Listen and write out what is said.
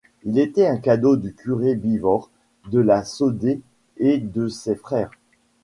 Ils étaient un cadeau du curé Bivort de la Saudée et de ses frères.